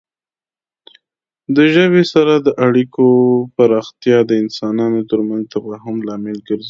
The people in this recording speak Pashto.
د ژبې سره د اړیکو پراختیا د انسانانو ترمنځ د تفاهم لامل ګرځي.